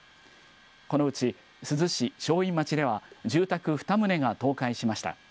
このうち、珠洲市正院町では、住宅２棟が倒壊しました。